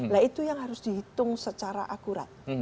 nah itu yang harus dihitung secara akurat